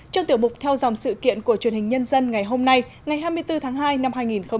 trong tiểu mục theo dòng sự kiện của truyền hình nhân dân ngày hôm nay ngày hai mươi bốn tháng hai năm hai nghìn hai mươi